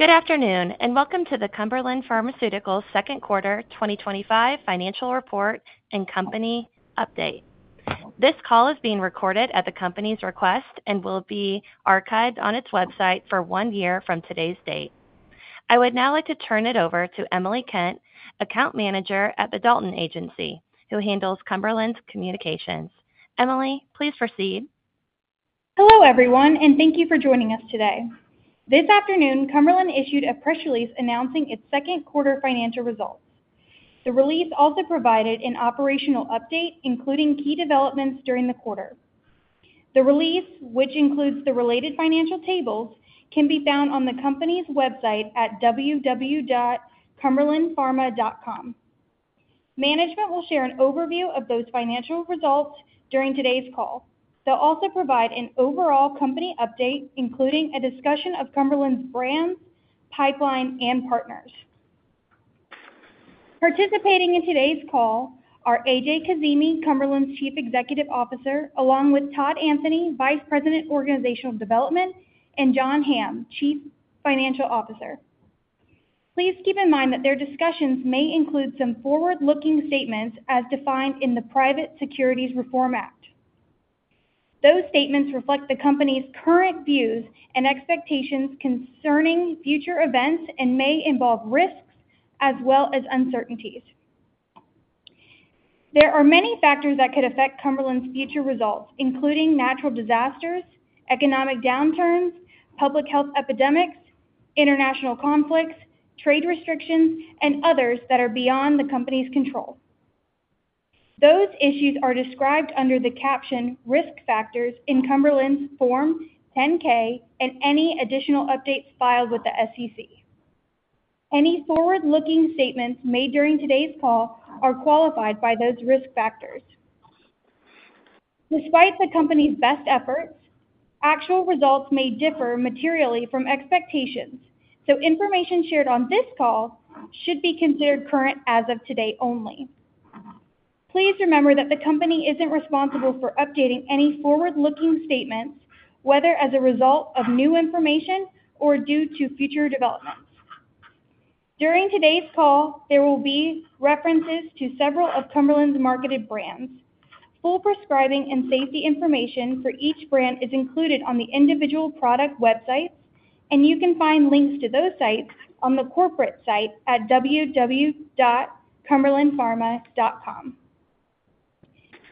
Good afternoon and welcome to the Cumberland Pharmaceuticals Second Quarter 2025 Financial Report and Company Update. This call is being recorded at the company's request and will be archived on its website for one year from today's date. I would now like to turn it over to Emily Kent, Account Manager at the Dalton Agency, who handles Cumberland's communications. Emily, please proceed. Hello, everyone, and thank you for joining us today. This afternoon, Cumberland issued a press release announcing its Second Quarter financial results. The release also provided an operational update, including key developments during the quarter. The release, which includes the related financial tables, can be found on the company's website at www.cumberlandpharma.com. Management will share an overview of those financial results during today's call. They'll also provide an overall company update, including a discussion of Cumberland's brand, pipeline, and partners. Participating in today's call are A.J. Kazimi, Cumberland's Chief Executive Officer, along with Todd Anthony, Vice President, Organizational Development, and John Hamm, Chief Financial Officer. Please keep in mind that their discussions may include some forward-looking statements as defined in the Private Securities Reform Act. Those statements reflect the company's current views and expectations concerning future events and may involve risks as well as uncertainties. There are many factors that could affect Cumberland's future results, including natural disasters, economic downturns, public health epidemics, international conflicts, trade restrictions, and others that are beyond the company's control. Those issues are described under the caption "Risk Factors" in Cumberland's Form 10-K and any additional updates filed with the SEC. Any forward-looking statements made during today's call are qualified by those risk factors. Despite the company's best efforts, actual results may differ materially from expectations, so information shared on this call should be considered current as of today only. Please remember that the company isn't responsible for updating any forward-looking statements, whether as a result of new information or due to future developments. During today's call, there will be references to several of Cumberland's marketed brands. Full prescribing and safety information for each brand is included on the individual product websites, and you can find links to those sites on the corporate site at www.cumberlandpharma.com.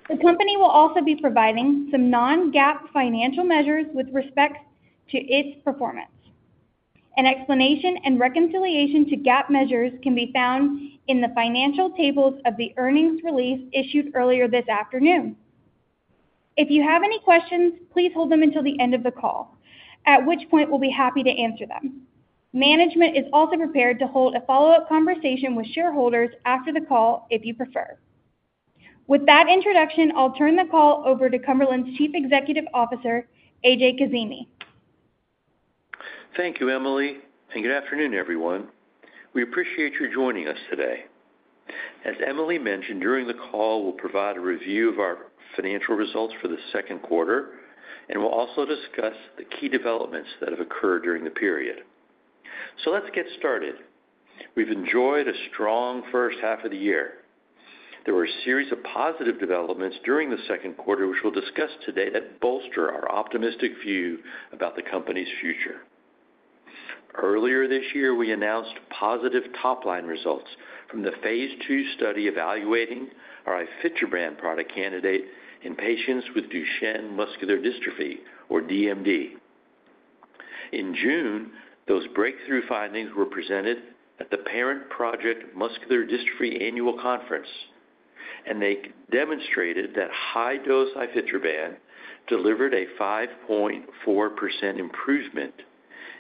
The company will also be providing some non-GAAP financial measures with respect to its performance. An explanation and reconciliation to GAAP measures can be found in the financial tables of the earnings release issued earlier this afternoon. If you have any questions, please hold them until the end of the call, at which point we'll be happy to answer them. Management is also prepared to hold a follow-up conversation with shareholders after the call if you prefer. With that introduction, I'll turn the call over to Cumberland's Chief Executive Officer, A.J. Kazimi. Thank you, Emily, and good afternoon, everyone. We appreciate your joining us today. As Emily mentioned during the call, we'll provide a review of our financial results for the Second Quarter, and we'll also discuss the key developments that have occurred during the period. Let's get started. We've enjoyed a strong first half of the year. There were a series of positive developments during the Second Quarter, which we'll discuss today that bolster our optimistic view about the company's future. Earlier this year, we announced positive top-line results from the Phase II study evaluating our iFuture brand product candidate in patients with Duchenne Muscular Dystrophy, or DMD. In June, those breakthrough findings were presented at the Parent Project Muscular Dystrophy Annual Conference, and they demonstrated that high-dose iFuture brand delivered a 5.4% improvement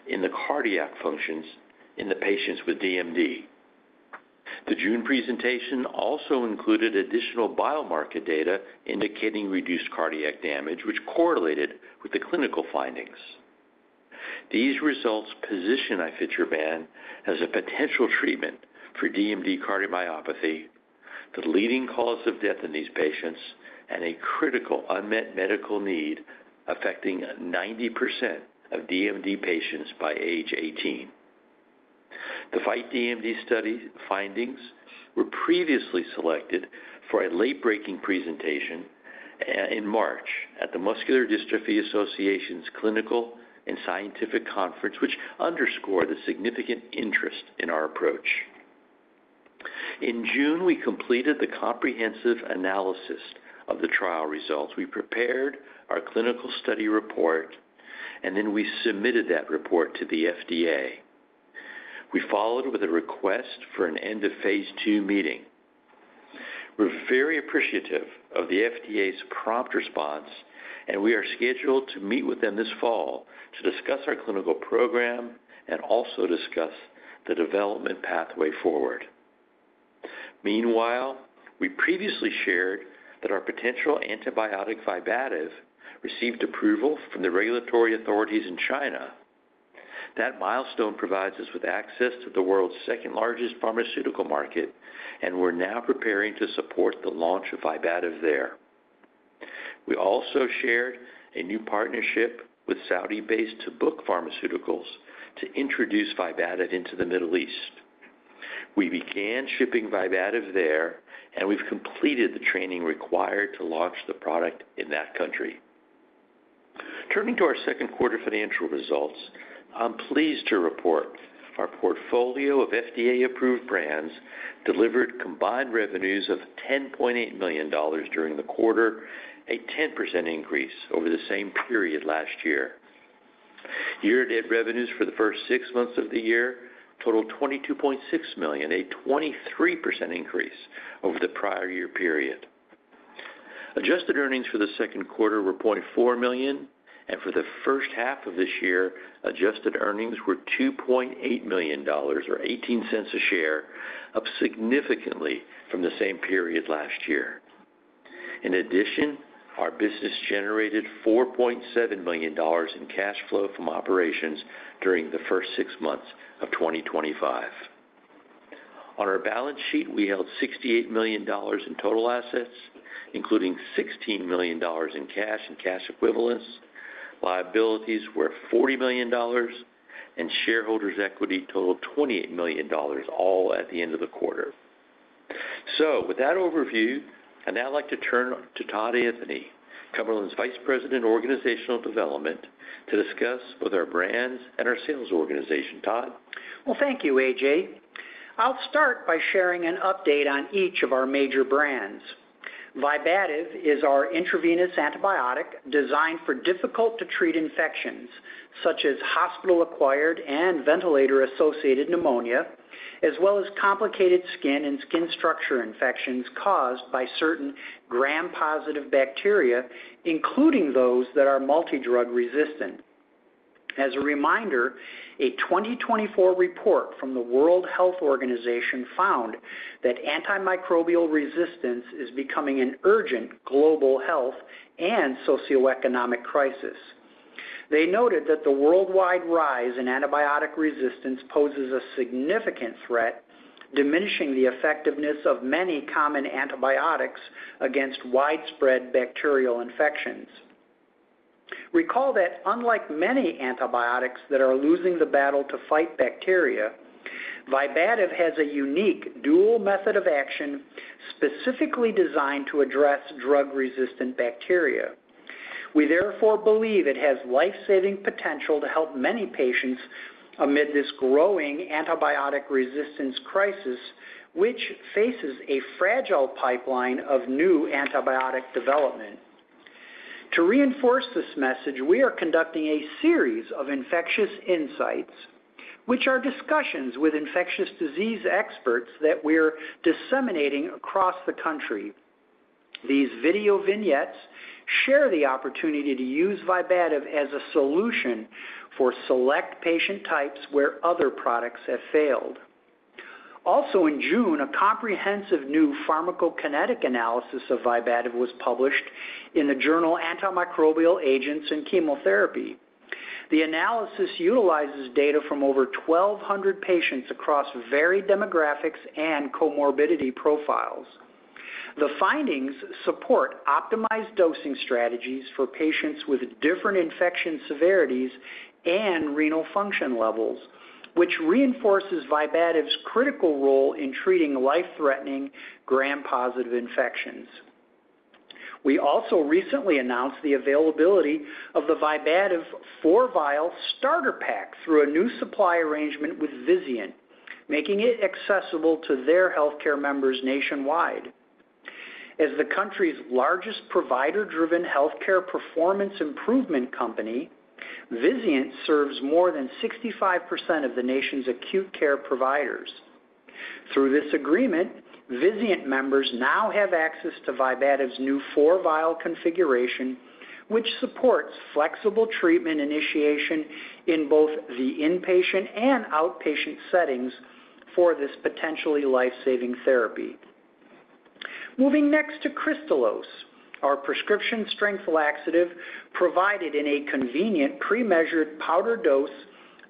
in the cardiac function in the patients with DMD. The June presentation also included additional biomarker data indicating reduced cardiac damage, which correlated with the clinical findings. These results position iFuture brand as a potential treatment for DMD cardiomyopathy, the leading cause of death in these patients, and a critical unmet medical need affecting 90% of DMD patients by age 18. The VITE DMD study findings were previously selected for a late-breaking presentation in March at the Muscular Dystrophy Association's Clinical and Scientific Conference, which underscored the significant interest in our approach. In June, we completed the comprehensive analysis of the trial results. We prepared our clinical study report, and then we submitted that report to the FDA. We followed it with a request for an end of Phase II meeting. We're very appreciative of the FDA's prompt response, and we are scheduled to meet with them this fall to discuss our clinical program and also discuss the development pathway forward. Meanwhile, we previously shared that our potential antibiotic Vibativ received approval from the regulatory authorities in China. That milestone provides us with access to the world's second-largest pharmaceutical market, and we're now preparing to support the launch of Vibativ there. We also shared a new partnership with Saudi-based Tabuk Pharmaceuticals to introduce Vibativ into the Middle East. We began shipping Vibativ there, and we've completed the training required to launch the product in that country. Turning to our Second Quarter financial results, I'm pleased to report our portfolio of FDA-approved brands delivered combined revenues of $10.8 million during the quarter, a 10% increase over the same period last year. Year-to-date revenues for the first six months of the year totaled $22.6 million, a 23% increase over the prior year period. Adjusted earnings for the Second Quarter were $0.4 million, and for the first half of this year, adjusted earnings were $2.8 million or $0.18 a share, up significantly from the same period last year. In addition, our business generated $4.7 million in cash flow from operations during the first six months of 2025. On our balance sheet, we held $68 million in total assets, including $16 million in cash and cash equivalents. Liabilities were $40 million, and shareholders' equity totaled $28 million, all at the end of the quarter. With that overview, I'd now like to turn to Todd Anthony, Cumberland's Vice President, Organizational Development, to discuss both our brands and our sales organization. Todd? Thank you, A.J. I'll start by sharing an update on each of our major brands. Vibativ is our intravenous antibiotic designed for difficult-to-treat infections, such as hospital-acquired and ventilator-associated pneumonia, as well as complicated skin and skin structure infections caused by certain gram-positive bacteria, including those that are multi-drug resistant. As a reminder, a 2024 report from the World Health Organization found that antimicrobial resistance is becoming an urgent global health and socioeconomic crisis. They noted that the worldwide rise in antibiotic resistance poses a significant threat, diminishing the effectiveness of many common antibiotics against widespread bacterial infections. Recall that unlike many antibiotics that are losing the battle to fight bacteria, Vibativ has a unique dual method of action specifically designed to address drug-resistant bacteria. We therefore believe it has lifesaving potential to help many patients amid this growing antibiotic resistance crisis, which faces a fragile pipeline of new antibiotic development. To reinforce this message, we are conducting a series of Infectious Insights, which are discussions with infectious disease experts that we're disseminating across the country. These video vignettes share the opportunity to use Vibativ as a solution for select patient types where other products have failed. Also, in June, a comprehensive new pharmacokinetic analysis of Vibativ was published in the journal Antimicrobial Agents and Chemotherapy. The analysis utilizes data from over 1,200 patients across varied demographics and comorbidity profiles. The findings support optimized dosing strategies for patients with different infection severities and renal function levels, which reinforces Vibativ's critical role in treating life-threatening gram-positive infections. We also recently announced the availability of the Vibativ 4-Vial starter pack through a new supply arrangement with Vizient, making it accessible to their healthcare members nationwide. As the country's largest provider-driven healthcare performance improvement company, Vizient serves more than 65% of the nation's acute care providers. Through this agreement, Vizient members now have access to Vibativ's new 4-Vial configuration, which supports flexible treatment initiation in both the inpatient and outpatient settings for this potentially lifesaving therapy. Moving next to Kristalose, our prescription-strength laxative provided in a convenient pre-measured powder dose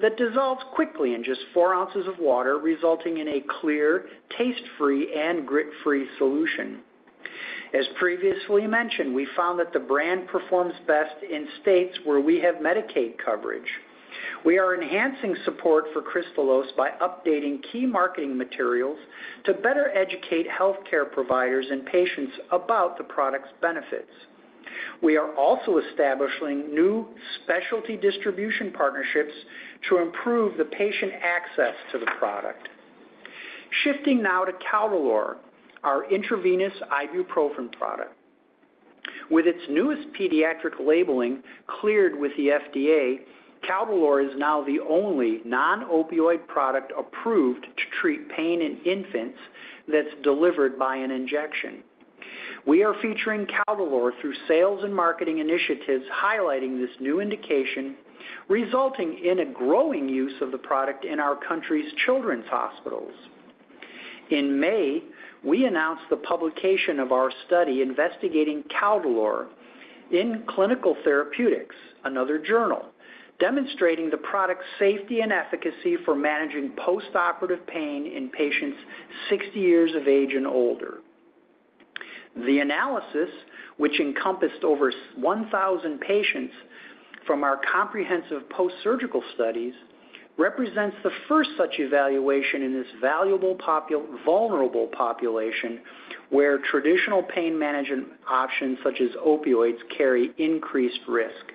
that dissolves quickly in just four ounces of water, resulting in a clear, taste-free, and grit-free solution. As previously mentioned, we found that the brand performs best in states where we have Medicaid coverage. We are enhancing support for Kristalose by updating key marketing materials to better educate healthcare providers and patients about the product's benefits. We are also establishing new specialty distribution partnerships to improve the patient access to the product. Shifting now to Caldolor, our intravenous ibuprofen product. With its newest pediatric labeling cleared with the FDA, Caldolor is now the only non-opioid product approved to treat pain in infants that's delivered by an injection. We are featuring Caldolor through sales and marketing initiatives highlighting this new indication, resulting in a growing use of the product in our country's children's hospitals. In May, we announced the publication of our study investigating Caldolor in Clinical Therapeutics, another journal, demonstrating the product's safety and efficacy for managing post-operative pain in patients 60 years of age and older. The analysis, which encompassed over 1,000 patients from our comprehensive post-surgical studies, represents the first such evaluation in this valuable vulnerable population where traditional pain management options such as opioids carry increased risk.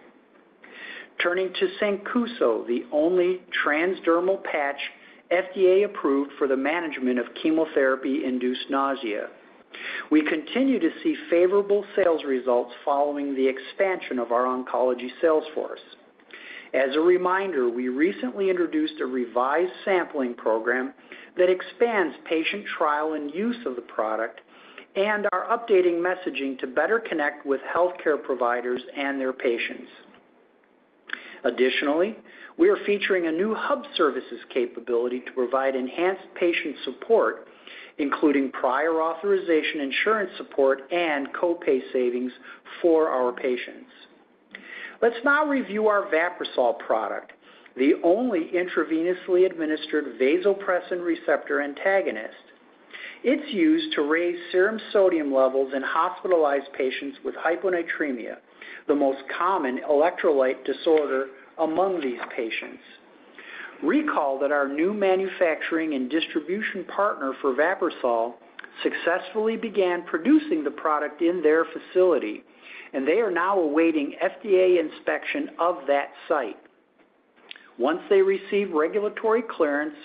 Turning to Sancuso, the only transdermal patch FDA-approved for the management of chemotherapy-induced nausea, we continue to see favorable sales results following the expansion of our oncology sales force. As a reminder, we recently introduced a revised sampling program that expands patient trial and use of the product and are updating messaging to better connect with healthcare providers and their patients. Additionally, we are featuring a new hub services capability to provide enhanced patient support, including prior authorization insurance support and copay savings for our patients. Let's now review our Vaprisol product, the only intravenously administered vasopressin receptor antagonist. It's used to raise serum sodium levels in hospitalized patients with hyponatremia, the most common electrolyte disorder among these patients. Recall that our new manufacturing and distribution partner for Vaprisol successfully began producing the product in their facility, and they are now awaiting FDA inspection of that site. Once they receive regulatory clearance,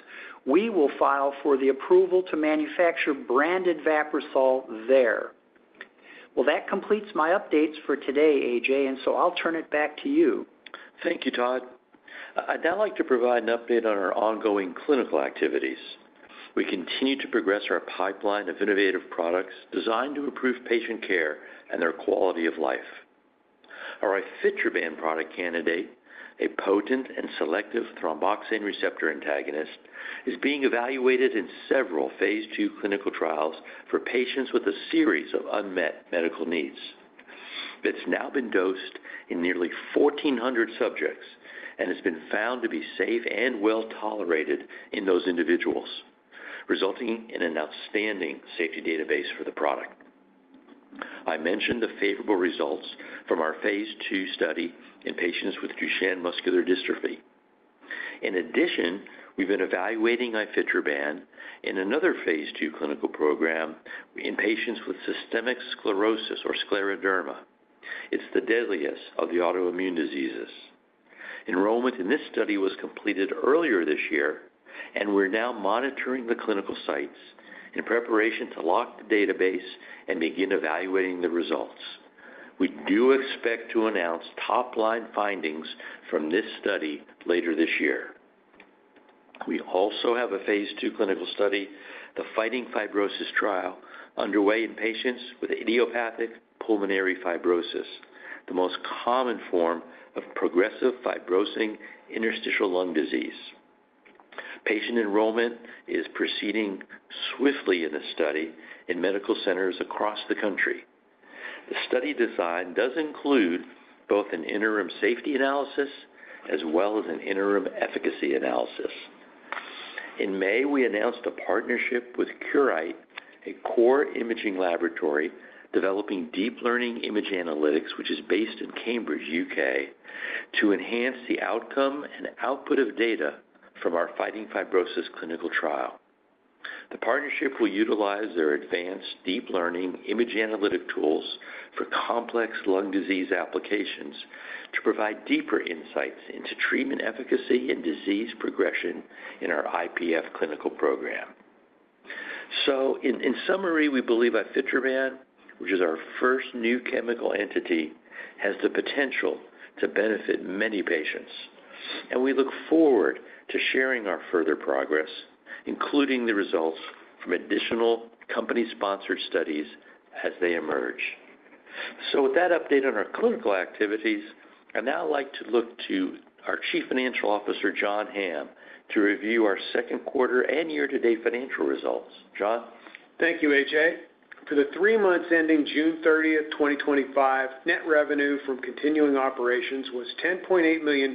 we will file for the approval to manufacture branded Vaprisol there. That completes my updates for today, A.J., and so I'll turn it back to you. Thank you, Todd. I'd now like to provide an update on our ongoing clinical activities. We continue to progress our pipeline of innovative products designed to improve patient care and their quality of life. Our iFuture brand product candidate, a potent and selective thromboxane receptor antagonist, is being evaluated in several Phase II clinical trials for patients with a series of unmet medical needs. It's now been dosed in nearly 1,400 subjects and has been found to be safe and well-tolerated in those individuals, resulting in an outstanding safety database for the product. I mentioned the favorable results from our Phase II study in patients with Duchenne Muscular Dystrophy. In addition, we've been evaluating iFuture brand in another Phase II clinical program in patients with systemic sclerosis or scleroderma. It's the deadliest of the autoimmune diseases. Enrollment in this study was completed earlier this year, and we're now monitoring the clinical sites in preparation to lock the database and begin evaluating the results. We do expect to announce top-line findings from this study later this year. We also have a Phase II clinical study, the Fighting Fibrosis trial, underway in patients with idiopathic pulmonary fibrosis, the most common form of progressive fibrosing interstitial lung disease. Patient enrollment is proceeding swiftly in this study in medical centers across the country. The study design does include both an interim safety analysis as well as an interim efficacy analysis. In May, we announced a partnership with Qureight, a core imaging laboratory developing deep learning image analytics, which is based in Cambridge, U.K., to enhance the outcome and output of data from our Fighting Fibrosis clinical trial. The partnership will utilize their advanced deep learning image analytic tools for complex lung disease applications to provide deeper insights into treatment efficacy and disease progression in our IPF clinical program. In summary, we believe iFuture brand, which is our first new chemical entity, has the potential to benefit many patients, and we look forward to sharing our further progress, including the results from additional company-sponsored studies as they emerge. With that update on our clinical activities, I'd now like to look to our Chief Financial Officer, John Hamm, to review our Second Quarter and year-to-date financial results. John? Thank you, A.J. For the three months ending June 30th, 2025, net revenue from continuing operations was $10.8 million,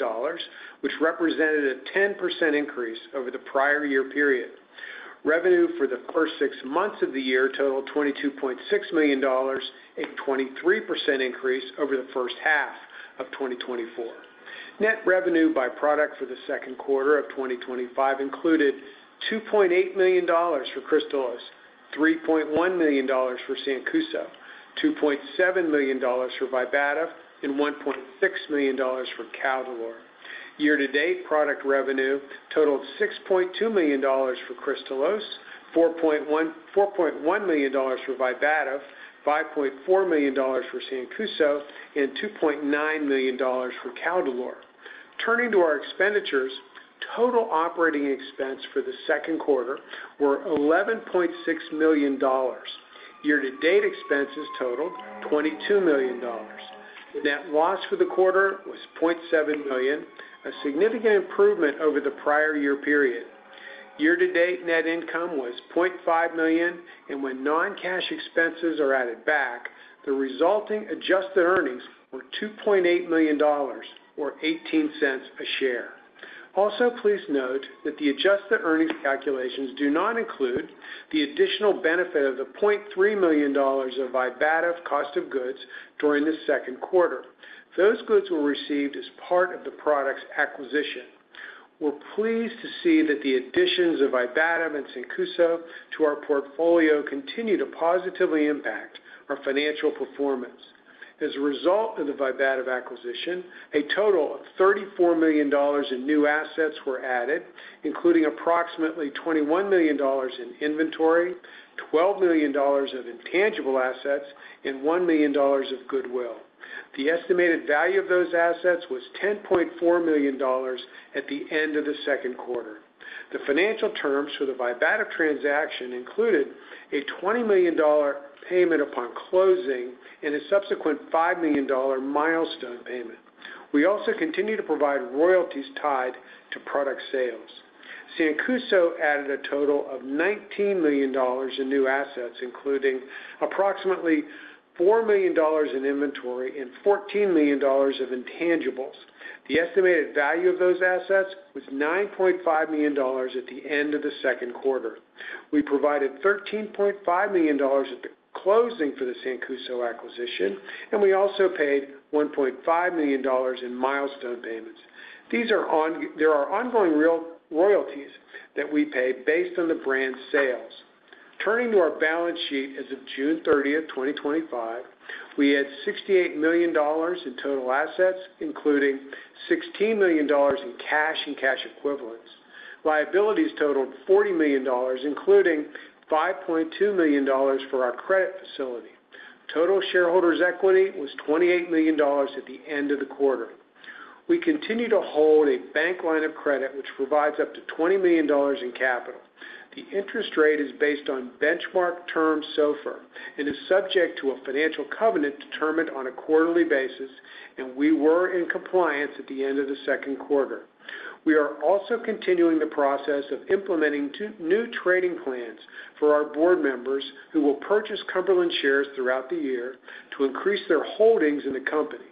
which represented a 10% increase over the prior year period. Revenue for the first six months of the year totaled $22.6 million, a 23% increase over the first half of 2024. Net revenue by product for the Second Quarter of 2025 included $2.8 million for Kristalose, $3.1 million for Sancuso, $2.7 million for Vibativ, and $1.6 million for Caldolor. Year-to-date product revenue totaled $6.2 million for Kristalose, $4.1 million for Vibativ, $5.4 million for Sancuso, and $2.9 million for Caldolor. Turning to our expenditures, total operating expense for the Second Quarter was $11.6 million. Year-to-date expenses totaled $22 million. The net loss for the quarter was $0.7 million, a significant improvement over the prior year period. Year-to-date net income was $0.5 million, and when non-cash expenses are added back, the resulting adjusted earnings were $2.8 million or $0.18 a share. Also, please note that the adjusted earnings calculations do not include the additional benefit of the $0.3 million of Vibativ cost of goods during the Second Quarter. Those goods were received as part of the product's acquisition. We're pleased to see that the additions of Vibativ and Sancuso to our portfolio continue to positively impact our financial performance. As a result of the Vibativ acquisition, a total of $34 million in new assets were added, including approximately $21 million in inventory, $12 million of intangible assets, and $1 million of goodwill. The estimated value of those assets was $10.4 million at the end of the Second Quarter. The financial terms for the Vibativ transaction included a $20 million payment upon closing and a subsequent $5 million milestone payment. We also continue to provide royalties tied to product sales. Sancuso added a total of $19 million in new assets, including approximately $4 million in inventory and $14 million of intangibles. The estimated value of those assets was $9.5 million at the end of the Second Quarter. We provided $13.5 million at the closing for the Sancuso acquisition, and we also paid $1.5 million in milestone payments. There are ongoing royalties that we pay based on the brand's sales. Turning to our balance sheet as of June 30, 2025, we had $68 million in total assets, including $16 million in cash and cash equivalents. Liabilities totaled $40 million, including $5.2 million for our credit facility. Total shareholders’ equity was $28 million at the end of the quarter. We continue to hold a bank line of credit which provides up to $20 million in capital. The interest rate is based on benchmark terms so far and is subject to a financial covenant determined on a quarterly basis, and we were in compliance at the end of the Second Quarter. We are also continuing the process of implementing new trading plans for our board members who will purchase Cumberland shares throughout the year to increase their holdings in the company.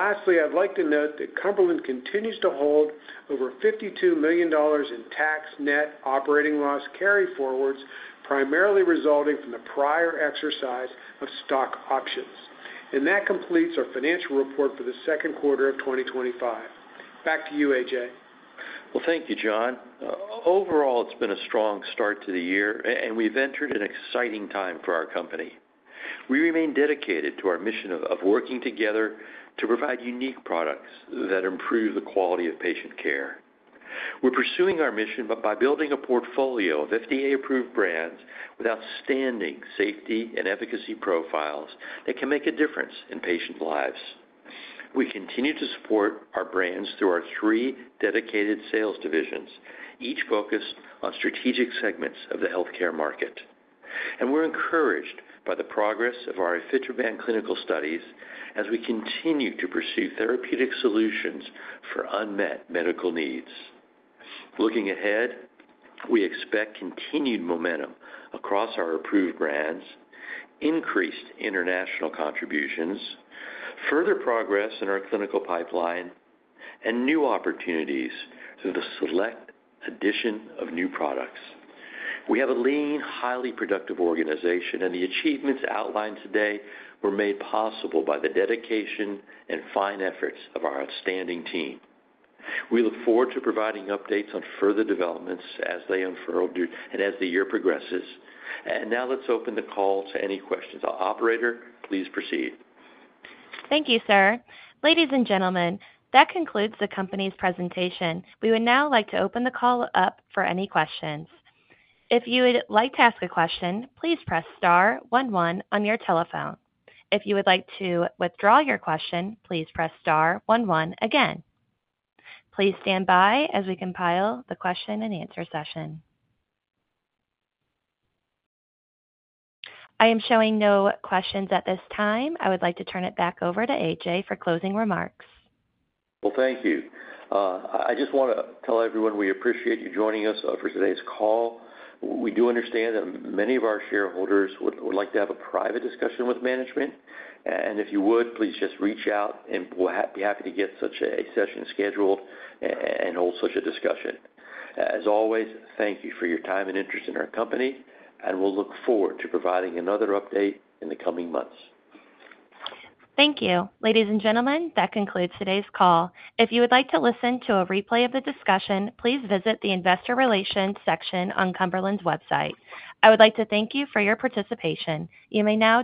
Lastly, I’d like to note that Cumberland continues to hold over $52 million in tax net operating loss carryforwards, primarily resulting from the prior exercise of stock options. That completes our financial report for the Second Quarter of 2025. Back to you, A.J. Thank you, John. Overall, it's been a strong start to the year, and we've entered an exciting time for our company. We remain dedicated to our mission of working together to provide unique products that improve the quality of patient care. We're pursuing our mission by building a portfolio of FDA-approved brands with outstanding safety and efficacy profiles that can make a difference in patient lives. We continue to support our brands through our three dedicated sales divisions, each focused on strategic segments of the healthcare market. We're encouraged by the progress of our iFuture brand clinical studies as we continue to pursue therapeutic solutions for unmet medical needs. Looking ahead, we expect continued momentum across our approved brands, increased international contributions, further progress in our clinical pipeline, and new opportunities through the select addition of new products. We have a lean, highly productive organization, and the achievements outlined today were made possible by the dedication and fine efforts of our outstanding team. We look forward to providing updates on further developments as they unfurl and as the year progresses. Now let's open the call to any questions. Operator, please proceed. Thank you, sir. Ladies and gentlemen, that concludes the company's presentation. We would now like to open the call up for any questions. If you would like to ask a question, please press star one-one on your telephone. If you would like to withdraw your question, please press star one-one again. Please stand by as we compile the question and answer session. I am showing no questions at this time. I would like to turn it back over to A.J. Kazimi for closing remarks. Thank you. I just want to tell everyone we appreciate you joining us for today's call. We do understand that many of our shareholders would like to have a private discussion with management, and if you would, please just reach out and we'll be happy to get such a session scheduled and hold such a discussion. As always, thank you for your time and interest in our company, and we'll look forward to providing another update in the coming months. Thank you. Ladies and gentlemen, that concludes today's call. If you would like to listen to a replay of the discussion, please visit the Investor Relations section on Cumberland's website. I would like to thank you for your participation. You may now.